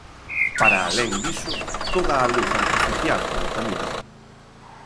Para alén diso, toda a luz artificial contamina.